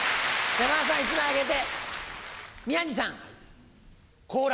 山田さん１枚あげて。